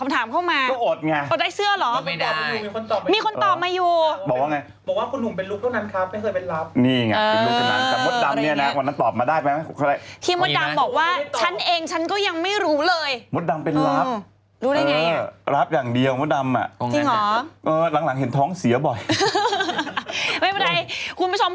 คำถามว่าเมื่อไหร่นี่พี่จะเป็นตุ๊ด